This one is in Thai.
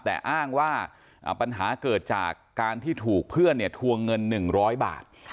แต่อ้างว่าปัญหาเกิดจากการที่ถูกเพื่อนทวงเงิน๑๐๐บาท